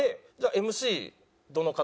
「ＭＣどの方？」